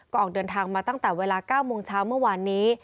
ก็ออกเดินทางมาตั้งแต่เวลา๙โมงเช้าเมื่อวานนี้